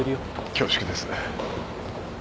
恐縮です。